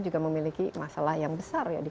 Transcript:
juga memiliki masalah yang besar ya di